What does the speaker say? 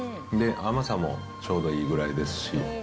で、甘さもちょうどいいぐらいですし。